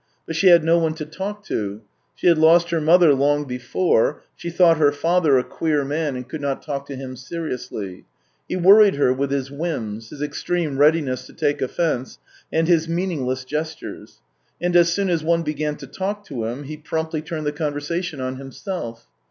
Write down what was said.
But she had no one to talk to. She had lost her mother long before; she thought her father a queer man, and could not talk to him seriously. He worried her with his whims, his extreme readiness to take offence, and his meaningless gestures; and as soon as one began to talk to him, he promptly turned the conversation on himself.